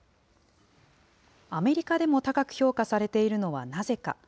アメリカでも高く評価されているのはなぜか。